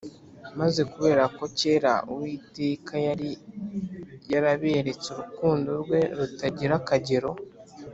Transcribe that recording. maze kubera ko kera Uwiteka yari yaraberetse urukundo rwe rutagira akagero,